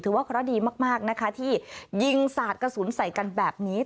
ถือว่าข้อดีมากที่ยิงสาดกระสุนใส่กันแบบนี้